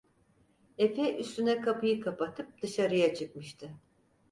Efe üstüne kapıyı kapatıp dışarıya çıkmıştı.